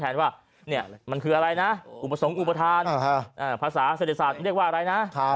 ว่ามันคืออะไรนะอุปสรรคอุปทานภาษาเศรษฐศาสตร์เรียกว่าอะไรนะ